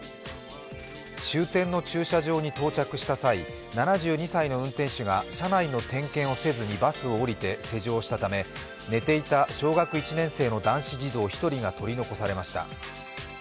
終点の駐車場に到着した際、７２歳の運転手が車内の点検をせずにバスを降りて施錠したため寝ていた小学１年生の男子児童１人が取り残されました。